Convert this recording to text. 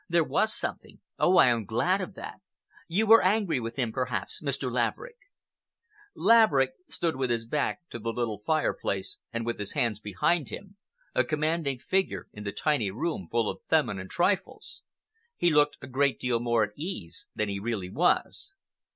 "There was something. Oh, I am glad of that! You were angry with him, perhaps, Mr. Laverick?" Laverick stood with his back to the little fireplace and with his hands behind him—a commanding figure in the tiny room full of feminine trifles. He looked a great deal more at his ease than he really was.